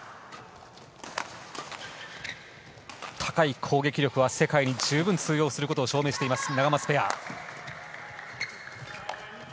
高い攻撃力は世界に十分通用することを証明してるナガマツペア。